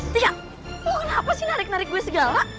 tika lo kenapa sih narik narik gue segala